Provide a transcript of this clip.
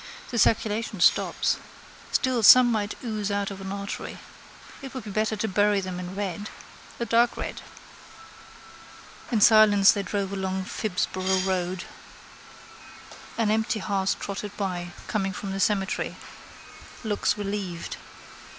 The circulation stops. Still some might ooze out of an artery. It would be better to bury them in red: a dark red. In silence they drove along Phibsborough road. An empty hearse trotted by, coming from the cemetery: looks relieved.